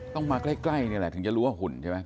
ต้องมาใกล้นี่แหละถึงจะรู้ว่าหุ่นใช่ไหม